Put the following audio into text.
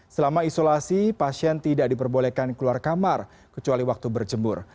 selama isolasi pasien tidak diperbolehkan keluar kamar kecuali waktu berjemur